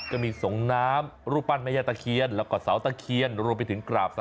ก็มีส่งน้ำรูปปั้นแม่ย่าตะเคียนแล้วก็เสาตะเคียน